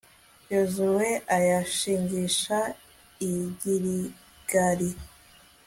yozuwe ayashingisha i giligali